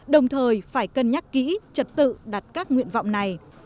đồng thời phải cân nhắc kỹ trật tự đặt các nguyện vọng này